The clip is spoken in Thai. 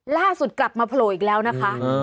ล่าสุดกลับมาโผล่อีกแล้วนะคะ